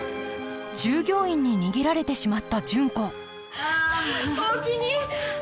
従業員に逃げられてしまった純子おおきに！